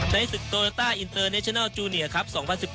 ศึกโตโยต้าอินเตอร์เนชนัลจูเนียครับ๒๐๑๙